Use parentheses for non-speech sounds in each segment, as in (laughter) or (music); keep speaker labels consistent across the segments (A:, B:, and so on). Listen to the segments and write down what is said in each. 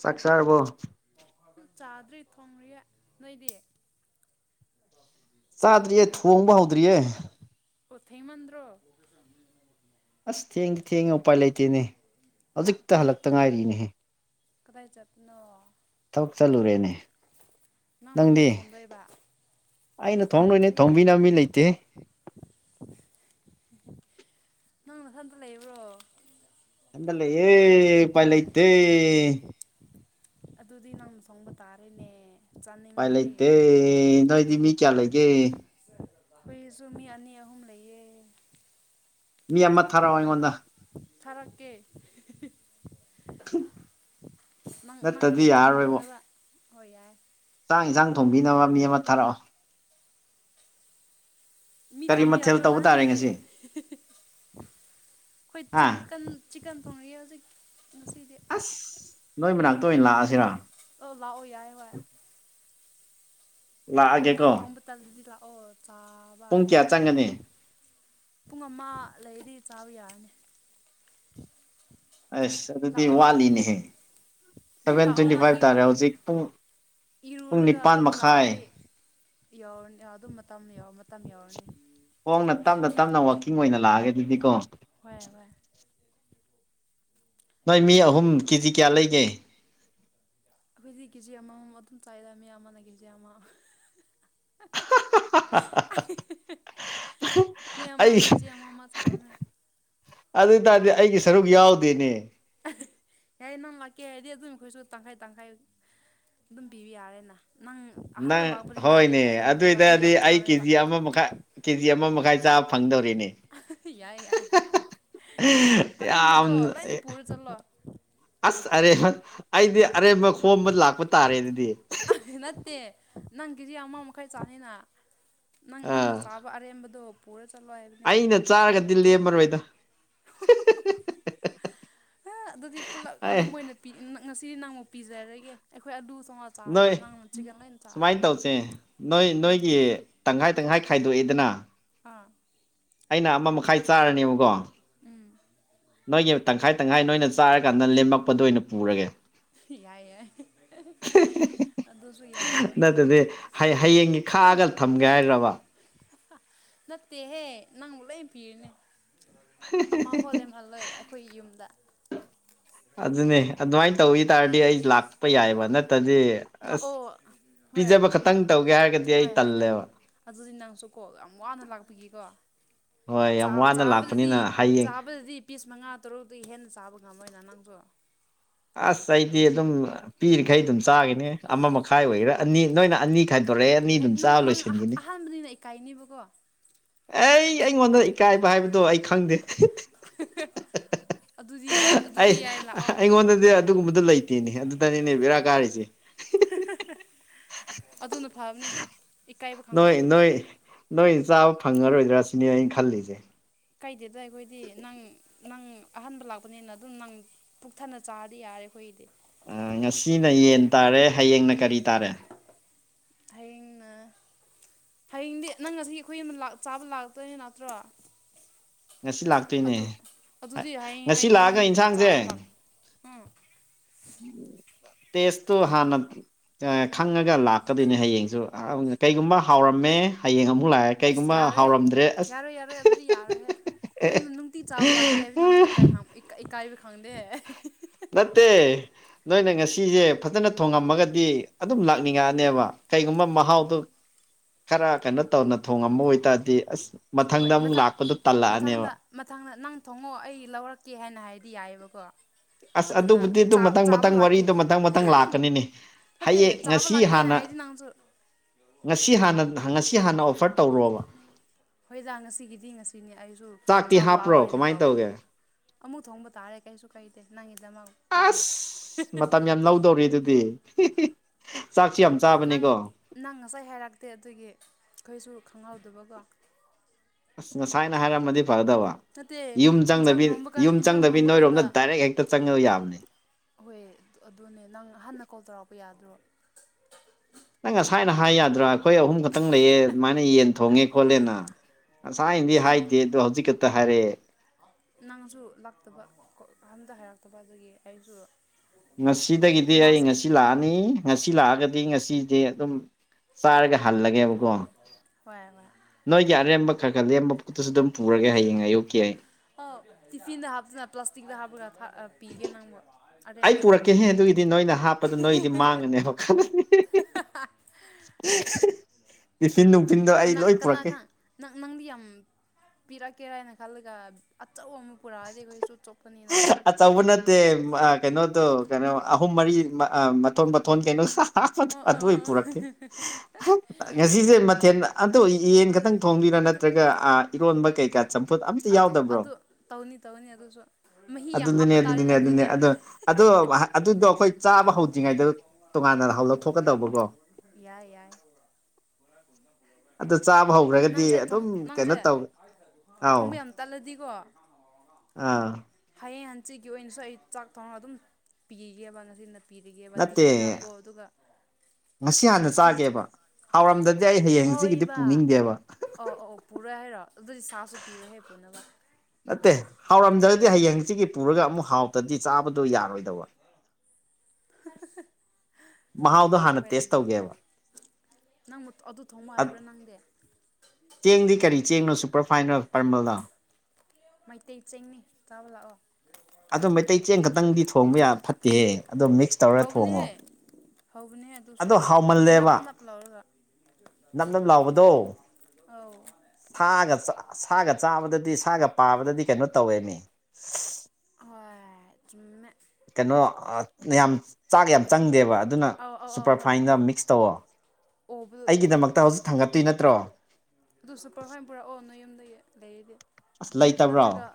A: ꯆꯥꯛꯁꯔꯔꯕꯣ
B: ꯆꯥꯗ꯭ꯔꯤ ꯊꯣꯡꯔꯤ ꯅꯣꯏꯗꯤ
A: ꯆꯥꯗ꯭ꯔꯤꯌꯦ ꯊꯣꯡꯕ ꯍꯧꯗ꯭ꯔꯤꯌꯦ
B: ꯑꯣ ꯊꯦꯡꯃꯟꯗ꯭ꯔꯣ
A: ꯑꯁ ꯊꯦꯡꯗꯤ ꯊꯦꯡꯉꯦ ꯎꯄꯥꯏ ꯂꯩꯇꯦꯅꯦ ꯍꯧꯖꯤꯛꯇ ꯍꯜꯂꯛꯇ ꯉꯥꯏꯔꯤꯅꯦꯍꯦ
B: ꯀꯗꯥꯥꯏ ꯆꯠꯄꯅꯣ
A: ꯊꯕꯛ ꯆꯠꯂꯨꯔꯦꯅꯦ
B: ꯅꯪꯅ ꯑꯃꯨꯛ
A: ꯅꯪꯗꯤ
B: ꯊꯣꯡꯗꯣꯏꯕ
A: ꯑꯩꯅ ꯊꯣꯡ ꯂꯣꯏꯅꯦ
B: ꯑꯩꯗꯤ
A: ꯊꯣꯡꯕꯤꯅꯕ ꯃꯤ ꯂꯩꯇꯦ
B: ꯅꯪ ꯃꯊꯟꯇ ꯂꯩꯕ꯭ꯔꯣ
A: ꯊꯟꯗ ꯂꯩꯌꯦ ꯎꯄꯥꯢ ꯂꯩꯇꯦ
B: ꯑꯗꯨꯗꯤ ꯅꯪ ꯁꯪꯕ ꯇꯥꯔꯦꯅꯦ
A: ꯄꯥꯏ
B: ꯆꯥꯅꯤꯡꯉꯗꯤ
A: ꯂꯩꯠꯇꯦ ꯅꯣꯏꯗꯤ ꯃꯤ ꯀꯌꯥ ꯂꯩ ꯒꯦ
B: ꯍꯨꯏꯁꯨ ꯃꯤ ꯑꯅꯤ ꯑꯍꯨꯝ ꯂꯩꯌꯦ
A: ꯃꯤ ꯑꯃ ꯊꯥꯔꯛꯑꯣ ꯑꯩꯉꯣꯟꯗ
B: ꯊꯥꯔꯛꯀꯦ
A: ꯊꯝ
B: ꯅꯪꯒꯤ ꯊꯣꯡꯕꯤꯅꯕ ꯍꯣꯏ ꯌꯥꯏ
A: ꯍꯥꯡ ꯌꯦꯟꯁꯥꯡ ꯊꯣꯡꯕꯤꯅꯕ ꯃꯤ ꯑꯃ ꯊꯥꯔꯛꯑꯣ
B: ꯃꯤ
A: ꯀꯔꯤ
B: ꯊꯥꯕꯤ
A: ꯃꯊꯦꯜ
B: ꯌꯥꯗ꯭ꯔꯣ
A: ꯇꯧꯕ ꯇꯥꯔꯦ
B: ꯅꯍꯥꯟꯗꯒꯤ
A: ꯉꯁꯤ
B: ꯑꯩꯈꯣꯏ
A: ꯍꯥ
B: ꯆꯤꯛꯀꯟ ꯆꯤꯛꯟ ꯊꯣꯡꯉꯖꯤ
A: ꯑꯁ ꯅꯣꯏ ꯃꯅꯥꯛꯇ ꯑꯣꯏꯅ ꯂꯥꯛꯑꯁꯤꯔ
B: ꯑꯣ ꯂꯥꯛꯑꯣ ꯌꯥꯏ ꯍꯣꯏ ꯅꯪ ꯇꯣꯡꯝꯕꯇ ꯇꯂꯗꯤꯂ ꯂꯣ
A: ꯄꯨꯡ ꯀꯌꯥ ꯆꯪꯒꯅꯤ
B: ꯄꯨꯡ ꯑꯃ ꯂꯩꯗꯤ ꯆꯥꯕ ꯌꯥꯔꯅꯤ
A: ꯑꯁ ꯑꯗꯨꯗꯤ
B: ꯂꯥꯛꯑꯣꯅꯦ
A: ꯋꯥꯠꯂꯤꯅꯦꯍꯦ
B: ꯑꯗꯨꯝ
A: ꯁꯚꯦꯟ
B: ꯂꯥꯛꯑꯣ
A: ꯇ꯭ꯣꯇꯤ
B: ꯅꯪ
A: ꯐꯥꯏꯚ
B: ꯏꯔꯨ
A: ꯇꯥꯔꯦ ꯍꯧꯖꯤꯛ ꯄꯨꯡ ꯄꯨꯡ
B: ꯏꯔꯨꯔꯒ
A: ꯅꯤꯄꯥꯟ
B: ꯑꯗꯨꯝ
A: ꯃꯈꯥꯏ
B: ꯂꯥꯛꯑꯗꯤ ꯌꯧꯔꯅꯤ ꯑꯗꯨꯝ ꯃꯇꯝ ꯃꯇꯝ ꯌꯧꯔꯅꯤ
A: ꯈꯣꯡꯅ ꯇꯞꯅ ꯇꯞꯅ ꯋꯥꯋꯀꯤꯡ ꯑꯣꯏꯅ ꯂꯥꯛꯑꯒꯦ ꯑꯗꯨꯗꯤꯀꯣ
B: ꯍꯣꯏ ꯍꯣꯏ
A: ꯅꯣꯏ ꯃꯤ ꯑꯍꯨꯝ ꯀꯦꯖꯤ ꯀꯌꯥ ꯂꯩꯒꯦ
B: ꯑꯩꯈꯣꯏꯗꯤ ꯀꯦꯖꯤ ꯑꯃꯃꯝ ꯑꯗꯨꯝ ꯆꯥꯏꯔ ꯃꯤ ꯑꯃꯅ ꯀꯦꯖꯤ ꯑꯃ
A: (unintelligible)
B: ꯃꯤ
A: ꯑꯩ
B: ꯑꯃꯥꯅ ꯀꯖꯤ ꯑꯃ ꯑꯃꯥ ꯆꯕꯅꯦ
A: ꯑꯗꯨ ꯑꯣꯏ ꯇꯔꯗꯤ ꯑꯩꯒꯤ ꯁꯔꯨꯛ ꯌꯥꯎꯗꯦꯅꯦ
B: ꯌꯥꯏ ꯅꯪ ꯂꯥꯛꯀꯦ ꯍꯥꯏꯗꯤ ꯑꯗꯨꯝ ꯑꯩꯈꯣꯏꯁꯨ ꯇꯪꯈꯥꯏ ꯇꯪꯈꯥꯏ ꯑꯗꯨꯝ ꯄꯤꯕ ꯌꯥꯔꯦꯅ ꯅꯪ ꯑꯍꯥꯟꯕ
A: ꯅꯪ
B: ꯂꯥꯛꯄꯅꯤꯅ
A: ꯍꯣꯏꯅꯦ
B: ꯏꯀꯥꯏꯔꯝꯅꯦꯕ ꯑꯗꯨ
A: ꯑꯗꯨꯏꯗꯗꯤ
B: ꯌꯥꯝ
A: ꯑꯩ
B: ꯆꯥꯔꯣꯏꯕ
A: ꯀꯦꯖꯤ ꯑꯃ ꯃꯈꯥꯏ ꯀꯦꯖꯤ ꯑꯃ ꯃꯈꯥꯏ ꯆꯥ ꯐꯪꯗꯧꯔꯤ
B: ꯌꯥꯏ ꯌꯥꯏ
A: ꯌꯥꯝ
B: ꯑꯔꯦꯕꯗꯣ ꯂꯅ ꯄꯨꯔ ꯆꯠꯂꯣ
A: ꯑꯁ ꯑꯔꯦꯝꯕ ꯑꯩꯗꯤ ꯑꯔꯦꯝꯕ ꯈꯣꯝꯕ ꯂꯥꯛꯄ ꯇꯥꯔꯦ ꯑꯗꯨꯗꯤ
B: ꯑꯗꯨ ꯅꯠꯇꯦ ꯅꯪ ꯀꯦꯖꯤ ꯑꯃ ꯃꯈꯥꯏ ꯆꯥꯅꯤꯅ ꯅꯪ ꯅꯪꯅ
A: ꯑꯥ
B: ꯆꯥꯕ ꯑꯔꯦꯝꯕꯗꯣ ꯄꯨꯔ ꯆꯠꯂꯣ ꯍꯥꯏꯕꯅꯦ
A: ꯑꯩꯅ ꯆꯥꯔꯒꯗꯤ ꯂꯦꯝꯃꯔꯣꯏꯗ
B: ꯍꯥ ꯑꯗꯨꯗꯤ ꯄꯨꯂꯞ
A: ꯑꯦ
B: ꯑꯍꯨꯝ ꯑꯣꯏꯅꯤ ꯉꯁꯤꯗꯤ ꯅꯪꯃꯨꯛ ꯄꯤꯖꯔꯒꯦ ꯑꯩꯈꯣꯏ ꯑꯗꯨ
A: ꯅꯣꯏ ꯁꯨꯃꯥꯏꯅ ꯇꯧꯁꯦ ꯅꯣꯏ
B: ꯎꯝ
A: ꯅꯣꯏꯒꯤ ꯇꯪꯈꯥꯏ ꯇꯪꯈꯥꯏ ꯈꯥꯏꯗꯣꯛꯑꯦꯗꯅ
B: ꯑꯥ
A: ꯑꯩꯅ ꯑꯃ ꯃꯈꯥꯏ ꯆꯥꯔꯅꯦꯕꯀꯣ ꯅꯣꯏꯒꯤ ꯇꯪꯈꯥꯏ ꯇꯪꯈꯥꯏ ꯅꯣꯏꯅ ꯆꯥꯔꯀꯥꯟꯗ ꯂꯦꯝꯃꯛꯄꯗ ꯑꯣꯏꯅ ꯄꯨꯔꯒꯦ
B: ꯌꯥꯏ ꯌꯥꯏ ꯑꯗꯨꯁꯨ ꯌꯥꯏꯕ
A: ꯅꯠꯇꯗꯤ ꯍꯌꯦꯡꯒꯤ ꯈꯥꯛꯑꯒ ꯊꯝꯒꯦ ꯍꯥꯏꯔꯕ
B: ꯅꯠꯇꯦꯍꯦ ꯅꯪ ꯂꯩꯅ ꯄꯤꯔꯅꯦ ꯑꯃ ꯐꯥꯎ ꯂꯦꯝꯍꯜꯂꯣꯏ ꯑꯩꯈꯣꯏꯒꯤ ꯌꯨꯝꯗ
A: ꯑꯗꯨꯅꯦ ꯑꯗꯨꯃꯥꯏꯅ ꯇꯧꯋꯤ ꯇꯥꯔꯗꯤ ꯑꯩ ꯂꯥꯛꯄ ꯌꯥꯏꯕ ꯅꯠꯇꯦ ꯅꯇꯗꯤ ꯑꯁ
B: ꯂꯥꯛꯑꯣ ꯍꯣꯏ
A: ꯄꯤꯖꯕ
B: ꯅꯪ
A: ꯈꯛꯇꯪ ꯇꯧꯒꯦ ꯍꯥꯏꯔꯒꯗꯤ ꯑꯩ
B: ꯍꯣꯏ ꯍꯣꯏꯗ
A: ꯇꯜꯂꯦꯕ
B: ꯑꯗꯨꯗꯤ ꯅꯪꯁꯨ ꯀꯣ ꯌꯥꯝ ꯋꯥꯅ ꯂꯥꯛꯄꯤꯒꯀꯣ
A: ꯍꯣꯏ ꯌꯥꯝ ꯋꯥꯅ
B: ꯆꯥꯕꯗꯗꯤ
A: ꯂꯥꯛꯄꯅꯤꯅ ꯍꯌꯦꯡ
B: ꯆꯥꯕꯗꯗꯤ ꯄꯤꯁ ꯃꯉꯥ ꯇꯔꯨꯛꯇ ꯍꯦꯟꯅ ꯆꯥꯕ ꯉꯝꯃꯣꯏꯅ ꯅꯪꯁꯨ
A: ꯑꯁ ꯑꯩꯗꯤ ꯑꯗꯨꯝ ꯄꯤꯔꯤꯈꯩ ꯑꯗꯨꯝ ꯆꯥꯈꯤꯅꯤ ꯑꯃ ꯃꯈꯥꯏ ꯑꯣꯏꯒꯦꯔꯥ ꯑꯅꯤ ꯅꯣꯏꯅ ꯑꯅꯤ ꯈꯥꯏꯗꯣꯔꯦ ꯑꯅꯤ ꯑꯗꯨꯝ ꯆꯥ ꯂꯣꯏꯁꯤꯟꯈꯤꯅꯤ
B: ꯀꯥꯏꯅꯤꯕ ꯀꯣ
A: ꯑꯩ ꯑꯩꯉꯣꯟꯗ ꯏꯀꯥꯏꯕ ꯍꯥꯏꯕꯗꯣ ꯑꯩ ꯈꯪꯗꯦ
B: ꯑꯗꯨꯗꯤ ꯌꯥꯏ
A: ꯑꯩ
B: ꯑꯗꯨꯗꯤ ꯌꯥꯏ ꯂꯥꯛꯑꯣ
A: ꯑꯩꯉꯣꯟꯗꯗꯤ ꯑꯗꯨꯒꯨꯝꯕꯗꯨꯣ ꯂꯩꯇꯦꯅꯦ ꯑꯗꯨꯗꯅꯤꯅꯦ ꯕꯦꯔꯥ ꯀꯥꯔꯤꯁꯦ
B: ꯑꯗꯨꯅ ꯐꯥꯕꯅꯦ
A: ꯅꯣꯏ ꯅꯣꯏ ꯅꯣꯏ ꯆꯥꯕ ꯐꯪꯉꯔꯣꯏꯗ꯭ꯔꯥ ꯁꯤꯅꯦ ꯑꯩꯅ ꯈꯜꯂꯤꯁꯦ
B: ꯀꯩꯗꯗ ꯑꯩꯈꯣꯏꯗꯤ ꯅꯪ ꯅꯪ ꯑꯍꯟꯕ ꯂꯥꯛꯄꯅꯤꯅ ꯑꯗꯨꯝ ꯅꯪ ꯄꯨꯛꯊꯅ ꯆꯥꯔꯗꯤ ꯌꯥꯔꯦ ꯑꯦꯍꯗꯤ
A: ꯉꯁꯤꯅ ꯌꯦꯟ ꯇꯥꯔꯦ ꯍꯌꯦꯡꯅ ꯀꯔꯤ ꯇꯥꯔꯦ
B: ꯍꯌꯦꯡꯅ ꯍꯌꯦꯡꯗꯤ ꯅꯪ ꯉꯁꯤ ꯑꯩꯈꯣꯏ ꯑꯃ ꯆꯥꯕ ꯂꯥꯛꯇꯣꯏꯅꯦ ꯅꯠꯇ꯭ꯔꯣ
A: ꯉꯁꯤ ꯂꯥꯛꯇꯣꯏꯅꯦ
B: ꯑꯗꯨ ꯑꯗꯨꯗꯤ ꯍꯌꯦꯡ
A: ꯉꯁꯤ
B: ꯑꯩ ꯅꯣꯏ
A: ꯂꯥꯛꯑꯒ
B: ꯌꯨꯝꯗ
A: ꯌꯦꯟꯁꯥꯡꯁꯦ
B: ꯆꯥꯕ ꯂꯥꯛ ꯎꯝ
A: ꯇꯁꯇꯣ ꯍꯥꯟ ꯅ ꯈꯪꯉꯒ ꯂꯥꯛꯀꯗꯣꯏꯅꯦ ꯍꯌꯦꯡꯁꯨ ꯀꯩꯒꯨꯝꯕ ꯍꯥꯎꯔꯝꯃꯦ ꯍꯌꯦꯡ ꯑꯃꯨꯛ ꯑꯃꯨꯛ ꯂꯥꯛꯑꯦ
B: ꯑꯩꯁ
A: ꯀꯩꯒꯨꯝꯕ
B: ꯌꯥꯔꯣꯏꯍꯦ
A: ꯍꯥꯎꯔꯝꯗ꯭ꯔꯦ ꯑꯁ
B: ꯌꯥꯔꯣꯏ ꯌꯥꯔꯣꯏ ꯑꯗꯨꯗꯤ ꯌꯥꯔꯣꯏꯍꯦ ꯑꯩꯈꯣꯏ ꯅꯨꯡꯇꯤ ꯆꯥꯕ ꯂꯥꯛꯀꯦ ꯍꯥꯏꯕ ꯅꯪꯁꯨꯀꯥꯏ ꯏꯀꯥꯏꯕ ꯈꯪꯗꯦ
A: ꯅꯠꯇꯦ ꯅꯣꯏꯅ ꯉꯁꯤꯁꯦ ꯐꯖꯅ ꯊꯣꯡꯉꯝꯃꯒꯗꯤ ꯑꯗꯨꯝ ꯂꯥꯛꯅꯤꯡꯉꯛꯑꯅꯦꯕ ꯀꯩꯒꯨꯝꯕ ꯃꯍꯥꯎꯗꯨꯣ ꯈꯔ ꯀꯩꯅꯣ ꯇꯧꯅ ꯊꯣꯡꯉꯝꯕ ꯑꯣꯏꯇꯥꯔꯗꯤ ꯑꯁ
B: ꯍꯣꯏ
A: ꯃꯊꯪꯗ ꯑꯃꯨꯛ
B: ꯃꯊꯪ
A: ꯂꯥꯛꯄꯗ
B: ꯃꯊꯪꯗ ꯃꯊꯪꯗ ꯅꯪ ꯊꯣꯡꯉꯛꯑꯣ ꯑꯩ ꯂꯧꯔꯛꯀꯦ ꯍꯥꯏꯅ ꯍꯥꯏꯗꯤ ꯌꯥꯏꯑꯕꯀꯣ
A: ꯑꯁ
B: ꯑꯗꯨꯅ
A: ꯑꯗꯨꯕꯨꯗꯤꯗꯨ ꯃꯊꯪ
B: ꯆꯥꯕ
A: ꯃꯊꯪ ꯋꯥꯔꯤꯗꯣ ꯃꯊꯪ ꯃꯊꯪ ꯂꯥꯛꯀꯅꯤꯅꯦ
B: ꯐꯠꯇꯦ
A: ꯍꯌꯦꯡ
B: ꯆꯥꯕ
A: ꯉꯁꯤ
B: ꯂꯥꯛꯒꯦꯅ
A: ꯍꯥꯟꯅ
B: ꯍꯥꯏꯗꯤ ꯅꯪꯁꯨ
A: ꯉꯁꯤ ꯍꯥꯟꯅ ꯉꯁꯤ ꯍꯥꯟꯅ ꯑꯣꯐꯔ ꯇꯧꯔꯣꯕ
B: ꯍꯣꯏꯗ ꯉꯁꯤꯒꯤꯗꯤ ꯉꯁꯤꯅꯤ ꯑꯩꯁꯨ
A: ꯆꯥꯛꯇꯤ
B: ꯆꯥꯕ ꯂꯥꯛꯑꯣ
A: ꯍꯥꯞꯄ꯭ꯔꯣ
B: ꯍꯥꯏꯅ
A: ꯀꯃꯥꯏꯅ ꯇꯧꯒꯦ
B: ꯀꯥꯎꯕꯗꯨꯗꯤ ꯑꯃꯨꯛ ꯊꯣꯡꯕ ꯇꯥꯔꯦ ꯀꯩꯁꯨ ꯀꯩꯗꯦ ꯅꯪꯒꯤ
A: ꯑꯁ ꯃꯇꯝ ꯌꯥꯝ ꯂꯧꯗꯧꯔꯤ ꯑꯗꯨꯗꯤ ꯆꯥꯛꯁꯨ ꯌꯥꯝ
B: ꯅꯪ
A: ꯆꯥꯕꯅꯤꯀꯣ
B: ꯅꯪ ꯉꯁꯥꯏ ꯍꯥꯏꯔꯛꯇꯦ ꯑꯗꯨꯒꯤ ꯑꯩꯈꯣꯏꯁꯨ ꯈꯪꯍꯧꯗꯕꯀꯣ
A: ꯑꯁ ꯉꯁꯥꯏꯅ ꯍꯥꯏꯔꯝꯃꯗꯤ ꯐꯒꯗꯕ
B: ꯅꯠꯇꯦ
A: ꯌꯨꯝ
B: ꯏꯟꯁꯥꯡ
A: ꯆꯪꯗꯕꯤ
B: ꯊꯣꯡꯕ ꯀꯥꯟꯗ
A: ꯌꯨꯝ
B: ꯏꯟꯁꯥꯡ
A: ꯆꯪꯗꯕꯤ
B: ꯊꯣꯡꯕ
A: ꯅꯣꯏꯔꯣꯝꯗ
B: ꯀꯥꯟꯗ
A: ꯗꯥꯏꯔꯦꯛ ꯍꯦꯛꯇ ꯆꯪꯉꯕ ꯌꯥꯕꯅꯤ
B: ꯍꯣꯏ ꯑꯗꯨꯅꯦ ꯅꯪ ꯍꯥꯟꯅ ꯀꯣꯜ ꯇꯧꯔꯛꯄ ꯌꯥꯗ꯭ꯔꯣ
A: ꯅꯪ ꯉꯁꯥꯏꯅ ꯍꯥꯏ ꯌꯥꯗ꯭ꯔꯥ ꯑꯩꯈꯣꯏ ꯑꯍꯨꯝ ꯈꯛꯇꯪ ꯂꯩꯌꯦ ꯑꯗꯨꯃꯥꯏꯅ ꯌꯦꯟ ꯊꯣꯡꯉꯦ ꯈꯣꯠꯂꯦꯅ ꯉꯁꯥꯏꯅꯗꯤ
B: ꯅꯪ
A: ꯍꯥꯏꯗꯦ ꯑꯗꯣ ꯍꯧꯖꯤꯛ ꯈꯛꯇ ꯍꯥꯏꯔꯛꯑꯦ
B: ꯅꯪꯁꯨ ꯂꯥꯛꯇꯕ ꯑꯝꯗ ꯍꯥꯏꯔꯛꯇꯕ ꯑꯗꯒꯤ ꯑꯩꯁꯨ
A: ꯉꯁꯤꯗꯒꯤꯗꯤ ꯑꯩ
B: ꯃꯥꯁꯦ
A: ꯉꯁꯤ ꯂꯥꯛꯑꯅꯤ ꯉꯁꯤ ꯂꯥꯛꯑꯒꯗꯤ ꯉꯁꯤꯗꯤꯦ ꯑꯗꯨꯝ ꯆꯥꯔꯒ ꯍꯜꯂꯒꯦꯕꯀꯣ
B: ꯍꯣꯏ ꯍꯣꯏ
A: ꯅꯣꯏꯒꯤ ꯑꯔꯦꯝꯕ ꯈꯔ ꯈꯔ ꯂꯦꯝꯕ
B: ꯑ ꯇꯤꯐꯤꯟꯗ ꯍꯥꯥ ꯄ꯭ꯂꯥꯁꯇꯗ ꯍ ꯀ ꯊꯥ
A: ꯑꯩ ꯄꯨꯔꯛꯀꯦꯍꯦ ꯑꯗꯨꯒꯤꯗꯤ ꯅꯣꯏꯅ ꯍꯥꯞꯄꯗꯣ ꯅꯣꯏꯒꯤꯗꯤ ꯃꯥꯡꯉꯅꯦꯕ ꯈꯜꯂꯅꯤ (unintelligible) ꯁꯤꯤꯟ ꯅꯨꯡꯊꯤꯟꯗ ꯑꯩ
B: ꯀꯅꯥ
A: ꯂꯣꯏ
B: ꯀꯅꯥ
A: ꯄꯨꯔꯛꯀꯦ
B: ꯈꯪ ꯅꯪ ꯅꯪꯗꯤ ꯌꯥꯝ ꯄꯤꯔꯛꯀꯦꯔ ꯍꯥꯏꯅ ꯈꯜꯂꯒ ꯑꯆꯧꯕ ꯑꯃ ꯄꯨꯔꯛꯑꯗꯤ ꯑꯩꯈꯣꯏꯁꯨ ꯆꯣꯞꯄꯅꯤꯅ
A: ꯑ ꯆꯕꯅꯠꯇꯦ ꯑ ꯀꯩꯅꯣꯗꯨꯣ ꯀꯩꯅꯣ ꯑꯍꯨꯝ ꯃꯔꯤ ꯃꯊꯣꯟ ꯃꯊꯣꯟ ꯀꯩꯅꯣ ꯁꯥ
B: ꯑꯣ
A: ꯇ
B: ꯑꯣ ꯑꯣ
A: ꯄꯨꯔꯛꯀꯦ ꯉꯁꯤꯁꯦ ꯃꯊꯦꯜ ꯑꯇ ꯌꯦꯟ
B: ꯑꯗꯨ
A: ꯈꯛꯇꯪ ꯊꯣꯡꯝꯕꯤꯔ ꯭ꯔꯒ ꯏ
B: ꯑꯗ ꯑꯗꯨꯗ ꯇꯧꯅꯤ ꯇꯧꯅꯤ ꯑꯗꯨꯁꯨ ꯃꯍꯤ ꯌꯥꯝ
A: ꯑꯗꯨꯅꯦ
B: ꯍꯥꯞꯄ
A: ꯑꯗꯨꯅꯦ
B: ꯇꯥꯔꯦꯅꯦ
A: ꯑꯗꯨ
B: ꯑꯗꯨꯗꯤ
A: ꯑꯗꯨ ꯑꯗꯨ ꯑꯗꯨ ꯑꯗꯨꯗꯣ ꯑꯩꯈꯣꯏ ꯆꯥꯕ ꯍꯧꯗ꯭ꯔꯤꯉꯩꯗ ꯇꯣꯉꯥꯟꯅ ꯍꯧ ꯂꯧꯊꯣꯛꯀꯗꯧꯕꯀꯣ
B: ꯌꯥꯏ ꯌꯥꯏ
A: (unintelligible) ꯑꯣ ꯆꯥꯕ ꯍꯧꯈ꯭ꯔꯒꯗꯤ
B: ꯅꯪꯁꯦ
A: ꯑꯗꯨꯝ ꯀꯩꯅꯣ
B: ꯅꯪꯁꯦ
A: ꯇꯧꯦ ꯑꯥꯎ
B: ꯊꯣꯡꯕ ꯌꯥꯝ ꯇꯜꯂꯗꯤꯀꯣ
A: ꯑꯥ
B: ꯍꯌꯦꯡ ꯍꯟꯆꯤꯀꯤ ꯑꯣꯏꯅꯁꯨ ꯑꯩ ꯆꯥꯛ ꯊꯣꯡꯅꯥ ꯑꯗꯨꯝ ꯄꯤꯒꯦꯕ ꯉꯁꯤ ꯄꯤꯔꯤꯒꯦꯕ
A: ꯅꯠꯇꯦ
B: ꯇꯤꯐꯤꯟꯗ ꯍꯥꯞꯄꯣ ꯑꯗꯨꯒ
A: ꯉꯁꯤ
B: ꯏꯪ
A: ꯍꯥꯟꯅ
B: ꯐ꯭ꯔꯤꯖ
A: ꯆꯥꯒꯦꯕ ꯍꯥꯎꯔꯝꯗꯗꯤ ꯑꯩ ꯍꯌꯦꯡꯁꯤꯒꯤꯗꯤ ꯄꯨꯅꯤꯡꯗꯦꯕ
B: ꯄꯔꯣꯏ ꯍꯥꯏꯔꯣ ꯑꯗꯨꯗꯤ ꯁꯥꯁꯨ ꯄꯤꯔꯣꯏ ꯍꯥꯏ ꯄꯨꯣꯅꯕ
A: ꯅꯠꯇꯦ ꯍꯥꯎꯔꯝꯗ꯭ꯔꯗꯤ ꯍꯌꯦꯡꯁꯤꯒꯤ ꯄꯨꯔꯒ ꯑꯃꯨꯛ ꯍꯥꯎꯇ꯭ꯔꯗꯤ ꯆꯥꯕꯗꯨꯣ ꯌꯥꯔꯣꯏꯗꯧꯕ ꯎ ꯃꯍꯥꯎꯗꯣ ꯍꯥꯟꯅ
B: ꯍꯣꯏ
A: ꯇꯦꯁ
B: ꯑꯗꯨꯗꯤ
A: ꯇꯧꯒꯦꯕ
B: ꯅꯪ ꯑꯗꯨ ꯊꯣꯡꯕ
A: ꯑꯠ-
B: ꯍꯥꯏꯕ꯭ꯔꯥ ꯅꯪꯗꯤ
A: ꯆꯦꯡꯗꯤ ꯀꯔꯤ ꯆꯦꯡꯅꯣ ꯁꯨꯄꯔ ꯐꯥꯏꯅꯦꯜ
B: ꯃꯩꯇꯩ ꯆꯦꯡꯅꯤ ꯆꯥꯕ ꯂꯥꯛꯑꯣ
A: ꯑꯗꯨ ꯃꯩꯇꯩ ꯆꯦꯡ ꯈꯛꯇꯪꯗꯤ ꯊꯣꯡꯕ ꯌꯥ ꯐꯠꯇꯦ
B: ꯍꯧꯕꯅꯦꯍꯦ ꯍꯧꯕꯅꯦ ꯑꯗꯨꯁꯨ ꯅꯞ-ꯅꯞ ꯂꯧꯔꯒ꯫
A: ꯅꯞ-ꯅꯞ ꯂꯥꯎꯕꯗꯣ
B: ꯑꯧ
A: ꯐꯥꯒ ꯁꯥꯒ ꯆꯥꯕꯗ ꯗꯤ ꯁꯥꯒ ꯄꯥꯕꯗꯗꯤ ꯀꯩꯅꯣ ꯇꯧꯋꯦ ꯃꯤ꯫
B: ꯍꫭꯏ ꯆꯨꯝꯑꯦ꯫
A: ꯀꯩꯅꯣ ꯑꯥ ꯌꯥꯝ ꯆꯥꯛ ꯌꯥꯝ ꯆꯪꯗꯦꯕ ꯑꯗꯨꯅ
B: ꯑꯧ ꯑꯧ ꯑꯧ ꯍꯣꯏ ꯍꯣꯏ
A: ꯁꯨꯄꯔꯐꯥꯏꯟꯗ ꯃꯤꯛꯁ ꯇꯧꯋꫭ꯫
B: ꯑꯣꯕꯗꯨ ꯍꯣꯏ
A: ꯑꯩꯒꯤꯗꯃꯛꯇ ꯍꯧꯖꯤꯛ ꯊꯥꯡꯒꯠꯇꯣꯏ ꯅꯠꯇ꯭ꯔꯣ꯫
B: ꯑꯗꯨ ꯁꯨꯨꯄꯔꯐꯥꯏꯅ ꯄꯨꯔꯛꯑꫭ ꯅꯌꯨꯝꯗꯒꯤ ꯂꯩꯔꯗꯤ
A: ꯑꯁ ꯂꯩꯇꯕ꯭ꯔꯣ
B: ꯅꯠꯇ꯭ꯔꯒ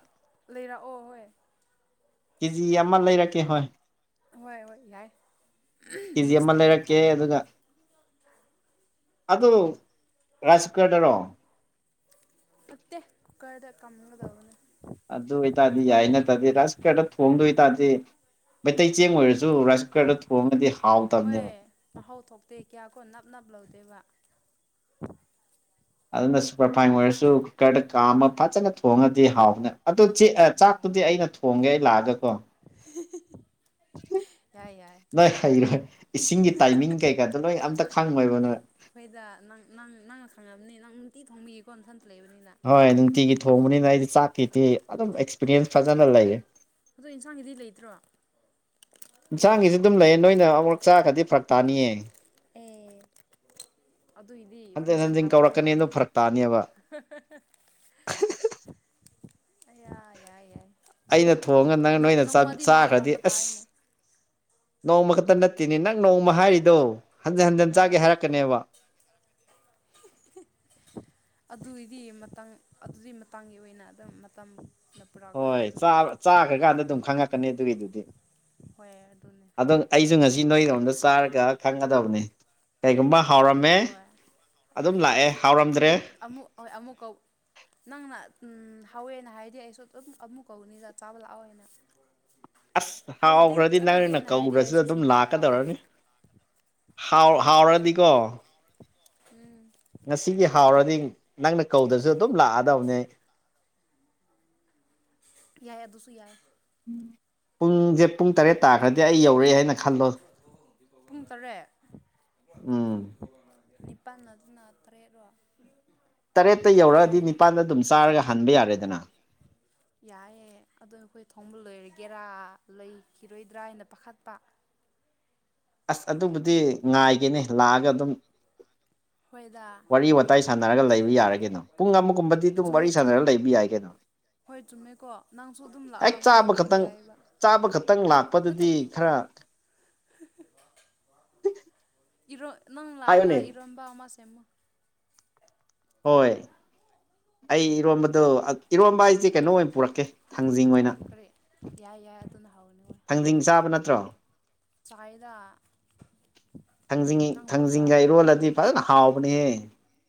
B: ꯂꯩꯔꯛꯑꯣ ꯍꯣꯏ꯫
A: ꯀꯦꯖꯤ ꯑꯃ ꯂꯩꯔꯛꯀꯦ ꯍꯣꯏ꯫
B: ꯍꯣꯏ-ꯍꯣꯏ ꯌꯥꯏ꯫
A: ꯀꯦꯖꯤ
B: ꯃꯤꯛꯁ
A: ꯑꯃ
B: ꯇꯧꯔꯒ
A: ꯂꯩꯔꯛꯀꯦ ꯑꯗꯨꯒ
B: ꯊꯣꯡꯅꯕꯀꯣ
A: ꯑꯗꯨ ꯔꯥꯁꯀꯔꯗꯔꯣ꯫
B: ꯀꯃꯒꯗꯕꯅꯤ꯫
A: ꯑꯗꯨ ꯑꯣꯏꯇꯥꯗꯤ ꯌꯥꯏ ꯅꯠꯇꯗꯤ ꯔꯥꯏꯁ ꯀꯔ ꯊꯣꯡꯗꯣꯏ ꯑꯣꯏꯇꯥꯔꯗꯤ ꯑꯇꯩ ꯆꯦꯡ ꯑꯣꯏꯔꯁꯨ ꯔꯥꯏꯁ ꯀꯨꯀꯔꯗ ꯊꯣꯡꯑꯗꯤ
B: ꯍꯣꯏ
A: ꯍꯥꯎꯇꯕꯅꯦꯕ꯫
B: ꯇꯦꯕꯥ
A: ꯑꯗꯨꯅ ꯁꯨꯄꯔꯐꯥꯏꯟ ꯑꯣꯏꯔꯁꯨ ꯀꯨꯀꯔꯗ ꯀꯥꯝꯃ ꯐꯖꯅ ꯊꯣꯡꯉꯗꯤ ꯍꯥꯎꯕꯅꯦ꯫ ꯇꯨ ꯆꯦ ꯑ
B: ꯍꯣꯏ
A: ꯆꯥꯛꯄꯨꯗꯤ ꯑꯩꯅ ꯊꯣꯡꯒꯦ ꯑꯩ ꯂꯥꯛꯑꯒꯀꯣ꯫ (unintelligible)
B: ꯌꯥꯏ ꯌꯥꯏ
A: ꯅꯣꯏ ꯍꯩꯔꯣꯏ ꯏꯁꯤꯡꯒꯤ ꯇꯥꯏꯃꯤꯡ ꯀꯩꯀꯥꯗꯣ ꯂꯣꯏ ꯑꯝꯇ ꯈꯪꯉꯣꯏꯕ ꯅꯣꯏ꯫
B: ꯍꯣꯏꯗ ꯅꯪ ꯅꯪ ꯅꯪꯅ ꯈꯪꯉꯝꯅꯤ ꯅꯪ ꯅꯨꯡꯇꯤ ꯊꯣꯡꯕꯤꯀꯣ ꯅꯊꯟ
A: ꯍꯣꯏ ꯅꯨꯡꯇꯤꯒꯤ ꯊꯣꯡꯕꯅꯤꯅ ꯑꯩꯗꯤ ꯆꯥꯛꯀꯤꯇꯤ ꯑꯗꯨꯝ ꯑꯦꯛꯁꯄꯤꯔꯤꯌꯦꯟꯁ ꯐꯖꯅ ꯂꯩꯌꯦ꯫
B: ꯑꯗꯣ ꯏꯟꯁꯥꯡꯒꯤꯗꯤ ꯂꯩꯇ꯭ꯔꯣ꯫
A: ꯌꯦꯟꯁꯥꯡꯒꯤꯁꯨ ꯑꯗꯨꯝ ꯂꯩꯌꯦ ꯅꯣꯏꯅ ꯑꯃꯨꯛ ꯆꯥꯈꯗꯤ ꯐꯔꯛ ꯇꯥꯅꯤꯌꯦ꯫
B: ꯑꯦ ꯑꯗꯨꯏꯗꯤ
A: ꯍꯟꯖꯤꯟ
B: ꯄꯣꯏꯖꯟ
A: ꯍꯟꯖꯤꯟ
B: ꯍꯥꯞꯀꯗꯧ
A: ꯀꯧꯔꯛꯀꯅꯤ
B: ꯃꯥꯜꯂꯦ꯫
A: ꯑꯗꯨ ꯐꯔꯛ ꯇꯥꯅꯦꯕ
B: ꯑꯌꯥ ꯌꯥꯏ-ꯌꯥꯏ꯫
A: ꯑꯩꯅ ꯊꯣꯡꯉꯒ ꯅꯪ ꯅꯣꯏꯅ
B: ꯃꯍꯥꯎ
A: ꯆꯥꯈ꯭ꯔꯗꯤ
B: ꯇꯝꯕ
A: ꯑꯁ꯫
B: ꯇꯥꯔꯦꯅꯦ
A: ꯅꯣꯡꯃ ꯈꯛꯇ ꯅꯠꯇꯦꯅꯦ ꯅꯪ ꯅꯣꯡꯃ ꯍꯥꯏꯔꯤꯗꯣ ꯍꯟꯖꯟ ꯍꯟꯖꯟ ꯆꯥꯒꯦ
B: ꯑꯥ
A: ꯍꯥꯏꯔꯛꯀꯅꯦꯕ꯫
B: ꯑꯗꯨꯏꯗꯤ ꯃꯇꯝ ꯑꯗꯨꯒꯤ ꯃꯇꯥꯡꯒꯤ ꯑꯣꯏꯅ ꯑꯗꯨꯝ ꯃꯇꯝ
A: ꯍꯣꯏ ꯆꯥ ꯆꯥꯈ꯭ꯔꯀꯥꯟꯗ ꯑꯗꯨꯝ ꯈꯪꯉꯛꯀꯅꯤ ꯑꯗꯨꯒꯤꯗꯨꯗꯤ꯫
B: ꯍꯣꯏ ꯑꯗꯨꯅꯦ
A: ꯑꯗꯣ ꯑꯩꯁꯨ ꯉꯁꯤ ꯅꯣꯏꯔꯣꯝꯗ ꯆꯥꯔꯒ ꯈꯪꯒꯗꯕꯅꯤ ꯀꯩꯒꯨꯝꯕ ꯍꯥꯎꯔꯝꯃꯦ
B: ꯍꯣꯏ
A: ꯑꯗꯨꯝ ꯂꯥꯛꯑꯦ ꯍꯥꯎꯔꯝꯗ꯭ꯔꯦ
B: ꯑꯃꯨꯛ ꯑꯃꯨ ꯍꯣꯏ ꯑꯃꯨꯛꯀ ꯅꯪꯅ ꯎꯝ ꯍꯥꯎꯋꯦꯅ ꯍꯥꯏꯗꯤ ꯑꯩꯁꯨ ꯑꯗꯨꯝ ꯑꯃꯨꯛ ꯀꯧꯅꯤꯗ ꯆꯥꯕ ꯂꯥꯛꯑꯣ ꯍꯥꯏꯅ꯫
A: ꯑꯁ
B: ꯍꯧꯗꯦ
A: ꯍꯥꯎꯈ꯭ꯔꯗꯤ ꯅꯪꯅ
B: ꯆꯠꯂꯒꯦꯅ ꯍꯥꯏꯔꯗꯤ
A: ꯀꯧꯗ꯭ꯔꯁꯨ
B: ꯑꯩꯁꯨ
A: ꯑꯗꯨꯝ
B: ꯁꯨꯡꯀꯥꯎ ꯀꯥꯎꯔꯣꯏ
A: ꯂꯥꯛꯀꯗꯧꯔꯅꯤ꯫ ꯍꯥꯎ
B: ꯍꯣꯏ ꯌꯥꯏ ꯑꯗꯨꯁꯨ
A: ꯍꯥꯎꯔꯗꯤ ꯀꯣ
B: (unintelligible)
A: ꯉꯁꯤꯒꯤ ꯍꯥꯎꯔꯗꯤ ꯅꯪꯅ ꯀꯧꯗ꯭ꯔꯁꯨ ꯑꯗꯨꯝ ꯂꯥꯛꯑꯗꯕꯅꯦ ꯑꯩ꯫
B: ꯌꯥꯏ ꯑꯗꯨꯁꯨ ꯌꯥꯏ꯫
A: ꯄꯨꯡꯁꯦ ꯄꯨꯡ ꯇꯔꯦꯠ ꯇꯥꯈ꯭ꯔꯗꯤ ꯑꯩ ꯌꯧꯔꯛꯑꯦ ꯍꯥꯏꯅ ꯈꯜꯂꯣ꯫
B: ꯄꯨꯡ ꯇꯔꯦꯠ
A: ꯎꯝ
B: ꯄꯟꯅꯗꯨꯅ ꯇꯔꯦꯠꯔꫭ
A: ꯇꯔꯦꯠꯇ ꯌꯧꯔꯛꯑꯗꯤ ꯅꯤꯄꯥꯜꯗ ꯑꯗꯨꯝ ꯆꯥꯔꯒ ꯍꯟꯕ ꯌꯥꯔꯦꯗꯅ꯫
B: ꯌꯥꯏꯑꯦ ꯑꯗꯣ ꯑꯈꯣꯏ ꯊꯣꯡꯕ ꯂꯣꯏꯔꯒꯦꯔꯥ ꯂꯩ ꯍꯤꯔꯣꯏꯗ꯭ꯔꯥ ꯍꯥꯏꯅ ꯄꯥꯈꯠꯄ꯫
A: ꯑꯁ ꯑꯗꯨꯕꯨꯗꯤ ꯉꯥꯏꯒꯅꯤ ꯂꯥꯛꯑꯒ ꯑꯗꯨꯝ꯫
B: ꯍꯣꯏꯗ
A: ꯋꯥꯔꯤ ꯋꯥꯇꯥꯏ ꯁꯥꯟꯅꯔꯒ ꯂꯩꯕ ꯌꯥꯔꯦ ꯀꯩꯅꯣ ꯄꯨꯡ ꯑꯃꯒꯨꯝꯕꯗꯤ ꯑꯗꯨꯝ ꯋꯥꯔꯤ
B: ꯆꯨꯝꯃꯦ ꯆꯨꯝꯃꯦ
A: ꯁꯥꯟꯅꯔꯒ ꯂꯩꯕ ꯌꯥꯏ ꯀꯩꯅꯣ
B: ꯍꯣꯏ ꯆꯨꯝꯃꯦꯀꯣ ꯅꯪꯁꯨ ꯑꯗꯨꯝ
A: ꯍꯦꯛ
B: ꯂꯥꯛꯔꯒ ꯃꯇꯦꯡ
A: ꯆꯥꯕ
B: ꯄꯥꯡꯕ
A: ꯈꯛꯇꯪ
B: ꯌꯥꯏꯌꯦꯕ꯫
A: ꯆꯥꯕ ꯈꯛꯇꯪ ꯂꯥꯛꯄꯗꯗꯤ ꯈꯔ
B: ꯏꯔꯣ ꯅꯪ ꯂꯥꯒ
A: ꯍꯥꯏꯌꯨꯅꯦ
B: ꯏꯔꯣꯝꯕꯥ ꯑꯃ ꯁ ꯇꯃꯣ
A: ꯍꯣꯏ ꯑꯩ ꯏꯔꯣꯝꯕꯗꯣ ꯏꯔꯣꯝꯕ ꯑꯩꯁꯦ ꯀꯩꯅꯣ ꯑꯣꯏꯅ ꯄꯨꯔꯛꯀꯦ ꯊꯥꯡꯖꯤꯡ ꯑꯣꯏꯅ
B: ꯀꯔꯤ ꯌꯥꯏ ꯌꯥꯏ ꯑꯗꯨꯅ
A: ꯊꯥꯡꯖꯤꯡ ꯆꯥꯕ ꯅꯠꯇ꯭ꯔꯣ
B: ꯆꯌ‌ꯦꯗꯥ
A: ꯊꯥꯡꯖꯤꯡꯒꯤ ꯊꯥꯡꯖꯤꯡꯒ ꯏꯔꯣꯜꯂꯗꯤ ꯐꯖꯅ ꯍꯥꯎꯕꯅꯦꯍꯦ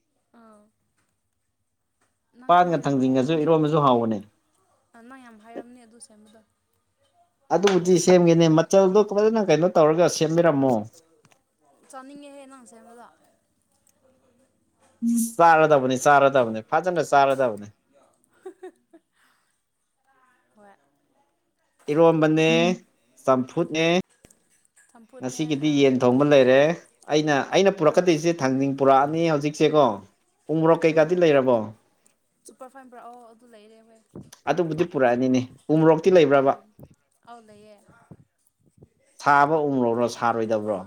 B: (unintelligible) ꯅꯪ
A: ꯄꯥꯟꯒ
B: ꯅꯪ ꯌꯥꯝ
A: ꯊꯥꯡꯖꯤꯡꯒꯁꯨ
B: ꯍꯥꯏꯔꯝꯅꯦ
A: ꯏꯔꯣꯟꯕꯁꯨ ꯍꯥꯎꯕꯅꯦ
B: ꯅꯪ ꯌꯥꯝ ꯍꯥꯏꯔꯝꯅꯦ ꯑꯗꯨ ꯁꯦꯝꯕꯗꯣ
A: ꯑꯗꯨꯕꯨꯗꯤ ꯁꯦꯝꯒꯦꯅꯤ ꯃꯆꯜꯗꯣ ꯐꯖꯅ ꯀꯩꯅꯣ ꯇꯧꯔꯒ ꯁꯦꯝꯕꯤꯔꯝꯃꯣ
B: ꯆꯥꯅꯤꯡꯉꯦꯍꯦ ꯅꯪ ꯁꯦꯝꯕꯗ
A: ꯆꯥꯔꯗꯕꯅꯤ ꯆꯥꯔꯗꯕꯅꯤ ꯐꯖꯅ ꯆꯥꯔꯗꯕꯅꯤ
B: ꯍꯣꯏ
A: ꯏꯔꯣꯝꯕꯅꯦ ꯆꯝꯐꯨꯠꯅꯦ
B: ꯆꯝꯐꯨꯠꯅꯦ
A: ꯉꯁꯤꯒꯤꯗꯤ
B: ꯑꯪ
A: ꯌꯦꯟ ꯊꯣꯡꯕ ꯂꯩꯔꯦ ꯑꯩꯅ ꯑꯩꯅ
B: ꯑꯪ
A: ꯄꯨꯔꯛꯀꯗꯣꯏꯁꯦ ꯊꯥꯡꯖꯤꯡ ꯄꯨꯔꯛꯑꯅꯤ ꯍꯧꯖꯤꯛꯁꯦ ꯀꯣ ꯄꯨꯡ ꯃꯣꯔꯣꯛ ꯀꯩꯀꯥꯗꯤ
B: ꯎꯝ
A: ꯂꯩꯔꯕꯣ
B: ꯁꯨꯄꯔ ꯐꯥꯏꯟꯕ꯭ꯔꯥ ꯑꯣ ꯑꯗꯨ ꯂꯩꯔꯦ ꯍ
A: ꯑꯗꯨꯕꯨꯗꯤ ꯄꯨꯔꯛꯑꯅꯤꯅꯦ ꯎꯃꯣꯔꯣꯛꯇꯤ
B: ꯎꯝ
A: ꯂꯩꯕ꯭ꯔꯕ
B: ꯑꯗꯌꯦꯦ
A: ꯁꯥꯕ ꯎꯝꯂꯣꯔꯣ ꯁꯥꯔꯣꯏꯗꯕ꯭ꯔꯣ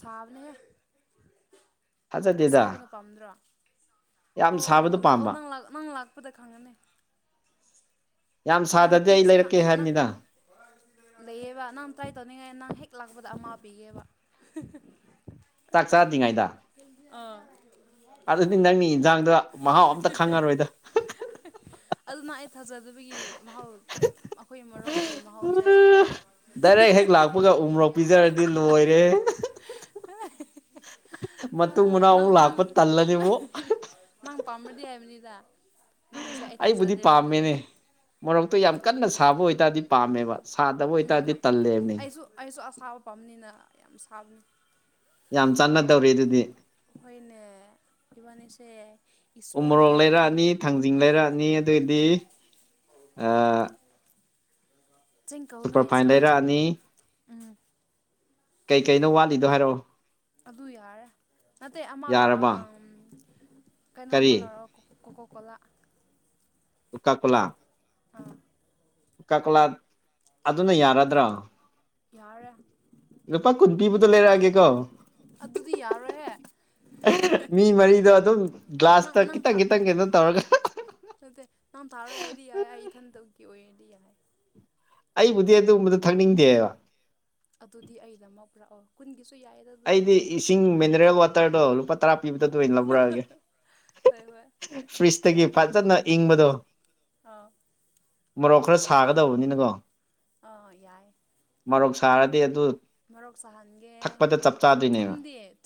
B: ꯁꯥꯕꯅꯦ ꯑꯁꯥꯕꯅ
A: ꯊꯥꯖꯗꯦꯗ
B: ꯄꯥꯝꯗ꯭ꯔꯣ
A: ꯌꯥꯝ
B: ꯑꯣ
A: ꯁꯥꯕꯗꯣ
B: ꯂꯥꯛꯑꯣ
A: ꯄꯥꯝꯕ
B: ꯅꯪꯥꯛ ꯅꯪ ꯂꯥꯛꯄꯗ ꯈꯪꯒꯅꯤ
A: ꯌꯥꯝ ꯁꯥꯗꯗꯤꯦ ꯑꯩ ꯂꯩꯔꯛꯀꯦ ꯍꯥꯏꯕꯅꯤꯅ
B: ꯂꯩꯑꯕ ꯅꯪ ꯇ꯭ꯔꯥꯏ ꯇꯧꯅꯤꯡꯉꯥꯏ ꯅꯪ ꯍꯦꯛ ꯂꯥꯛꯄꯗ ꯑꯃꯥ ꯄꯤꯒꯦꯕ
A: ꯆꯥꯛ ꯆꯥꯗ꯭ꯔꯤꯉꯩꯗ
B: ꯑꯥ
A: ꯑꯗꯨꯗꯤ ꯅꯪꯅꯤ ꯌꯦꯟꯖꯥꯡꯗꯣ ꯃꯍꯥꯎ ꯑꯝꯇ ꯈꯪꯉꯔꯣꯏꯗ
B: ꯐꯖꯗꯕꯒꯤ ꯃꯍꯣꯜ ꯑꯩꯈꯣꯏ ꯃꯔꯣꯛꯒꯤ ꯃꯍꯧꯁꯦ
A: ꯆꯔꯗꯤ ꯂꯣꯏꯔꯦꯍ‌ꯦ
B: (inaudible)
A: ꯃꯇꯨꯡ ꯃꯅꯥꯎ
B: ꯅꯪ
A: ꯑꯃꯨꯛ
B: ꯅꯪ
A: ꯂꯥꯛꯄ ꯇꯜꯂꯅꯤꯕ
B: ꯅꯪ ꯄꯥꯝꯃꯗꯤ ꯍꯥꯏꯕꯅꯤꯗ ꯅꯪꯒꯤꯁꯦ ꯑꯩ
A: ꯑꯩꯕꯨꯗꯤ
B: ꯊꯥꯖꯗꯦꯕ ꯑꯗꯨꯒꯤ
A: ꯄꯥꯝꯃꯦꯅꯦ ꯃꯣꯔꯣꯛꯇꯣ ꯌꯥꯝ ꯀꯟꯅ ꯁꯥꯕ ꯑꯣꯏ ꯑꯣꯏꯇꯥꯔꯗꯤ ꯄꯥꯝꯃꯦꯕ ꯁꯥꯗꯕ
B: ꯎꯝ
A: ꯑꯣꯏꯇꯥꯔꯗꯤ ꯇꯜꯂꯦꯕꯅꯦ
B: ꯑꯩꯁꯨ ꯑꯩꯁꯨ ꯑꯁꯥꯕ ꯄꯥꯝꯅꯤꯅ ꯌꯥꯝ ꯁꯥꯕꯅꯤ
A: ꯌꯥꯝ ꯆꯥꯟꯅꯗꯧꯔꯤ ꯑꯗꯨꯗꯤ
B: ꯍꯣꯏꯅꯦ ꯏꯕꯥꯅꯤꯁꯦ ꯏꯁꯣꯔꯅ
A: ꯎꯃꯣꯔꯣꯛ
B: ꯇꯝꯕꯤꯔꯝ
A: ꯂꯩꯔꯛꯑꯅꯤ ꯊꯥꯡꯖꯤꯡ ꯂꯩꯔꯛꯑꯅꯤ ꯑꯗꯨ ꯗꯤ ꯑ
B: ꯆꯤꯡ ꯀꯧꯅꯨꯍꯦ
A: ꯁꯨꯄꯔ ꯐꯥꯏꯟ
B: ꯆꯤꯡ ꯆꯤꯡ
A: ꯂꯩꯔꯛꯑꯅꯤ
B: ꯎꯝ
A: ꯀꯩ ꯀꯩꯅꯣ ꯋꯥꯠꯂꯤꯗꯣ ꯍꯥꯏꯔꯛꯑꯣ
B: ꯑꯗꯨ ꯌꯥꯔꯦ ꯅꯠꯇꯦ ꯑꯃ ꯂꯧꯔꯥꯛ
A: ꯌꯥꯔꯕ
B: ꯑ
A: ꯀꯔꯤ
B: ꯀꯩꯅꯣꯝꯃꯜ ꯂꯔꯒ ꯀꯣꯀꯣ ꯀꯣꯂꯥ
A: ꯑꯣꯀꯥ ꯀꯣꯂꯥ
B: ꯑꯥ
A: ꯀꯛꯥ ꯑꯗꯨꯅ ꯌꯥꯔꯗ꯭ꯔꯥ
B: ꯌꯥꯔꯦ
A: ꯅꯨꯨꯄꯥ ꯀꯨꯠꯕꯤꯕꯨꯗ ꯂꯩꯔꯛꯑꯒꯦꯀꯣ
B: ꯑꯗꯨꯗꯤ ꯌꯥꯔꯣꯏꯍꯦ
A: ꯃꯤ ꯃꯔꯤꯗꯣ ꯑꯗꯨꯝ ꯒ꯭ꯂꯥꯁꯇ ꯈꯤꯇꯪ ꯈꯤꯇꯪ ꯀꯩꯅꯣ ꯇꯧꯔꯒ
B: ꯃꯗꯦ ꯅꯝ ꯊꯥꯔꯣ ꯑꯦꯔꯤꯑ ꯏꯊꯟ ꯇꯧꯒ ꯑꯣꯏ ꯑꯦꯔꯤꯌꯥ
A: ꯑꯩꯕꯨꯗꯤ ꯑꯗꯨꯝꯕꯗ ꯊꯛꯅꯤꯡꯗꯦꯕ
B: ꯑꯗꯨꯗꯤ ꯑꯩꯗꯃꯛ ꯄꯨꯔꯛꯑꯣ ꯀꯨꯟꯒꯤ
A: ꯑꯩꯗꯤ ꯏꯁꯤꯡ ꯃꯤꯅꯔꯦꯜ ꯋꯥꯇꯔꯗꯣ ꯂꯨꯄꯥ ꯇꯔꯥ ꯄꯤꯕꯗ ꯑꯗꯨ ꯑꯣꯏꯅ ꯂꯧꯔꯛꯑꯒꯦ
B: ꯍꯣꯏ ꯍꯣꯏ
A: ꯐ꯭ꯔꯤꯖꯇꯒꯤ
B: ꯌꯥꯏ ꯌꯥꯏ
A: ꯐꯖꯅ ꯏꯪꯕꯗꯣ
B: ꯑꯥ
A: ꯃꯣꯔꯣꯛ ꯈꯔ ꯊꯥꯒꯗꯧꯕꯅꯤꯅꯀꯣ
B: ꯑ ꯌꯥꯏ ꯃꯔꯣꯛ ꯁꯥꯍꯟꯒꯦ
A: ꯀꯄꯗ ꯆꯞ ꯆꯥꯗꯣꯏꯅꯦꯕ
B: ꯊꯨꯝꯗꯤ ꯊꯨꯝ